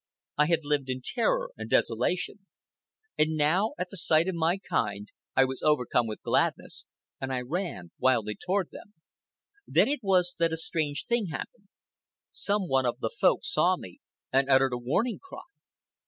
I had lived in terror and desolation. And now, at the sight of my kind, I was overcome with gladness, and I ran wildly toward them. Then it was that a strange thing happened. Some one of the Folk saw me and uttered a warning cry.